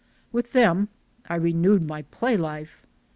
With them I re newed my play life.